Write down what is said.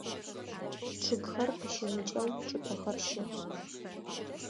Чъыгхэр къыщымыкӏэу чӏыпӏэхэр щыӏ.